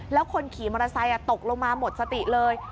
แล้วคนขี่มอเตอร์ไซค์ตกลงมาหมดสติเลย